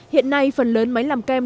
hiện nay phần lớn máy làm kem